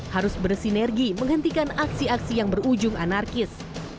harus bersinergi menghentikan aksi aksi yang berujung anarkis